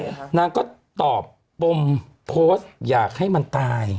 นางก็ตอบปมโพสต์อยากให้มันตาย